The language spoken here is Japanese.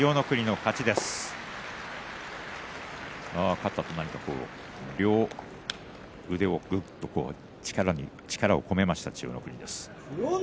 勝ったあと、両腕、ぐっと力を込めました千代の国です。